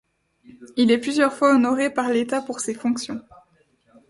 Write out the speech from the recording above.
Il est plusieurs fois honoré par l'État pour ses fonctions.